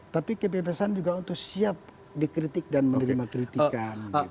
tapi kebebasan juga untuk siap dikritik dan menerima kritikan